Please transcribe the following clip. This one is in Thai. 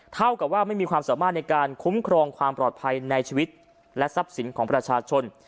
เท่ากับว่าไม่มีความสามารถในการคุ้มครองความปลอดภัยในชีวิตและทรัพย์สินของประชาชน